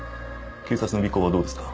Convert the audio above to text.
警察の尾行はどうですか？